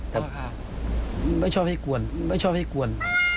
แต่ไม่ชอบให้กวน